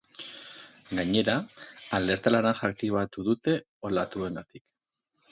Gainera, alerta laranja aktibatu dute olatuengatik.